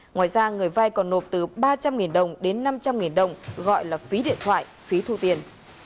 ngoài ra người vai còn nộp từ ba trăm linh đồng đến năm trăm linh đồng gọi là phí điện thoại phí thu tiền